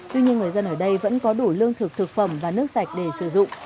tuy nhiên người dân ở đây vẫn có đủ lương thực thực phẩm và nước sạch để sử dụng